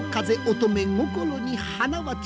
乙女心に花は散る。